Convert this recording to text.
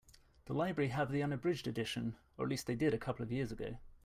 The library have the unabridged edition, or at least they did a couple of years ago.